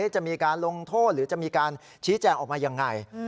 จะมีการลงโทษหรือจะมีการชี้แจงออกมายังไง